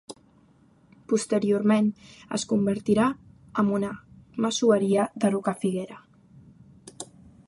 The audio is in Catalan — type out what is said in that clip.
Posteriorment es convertirà amb una masoveria de Rocafiguera.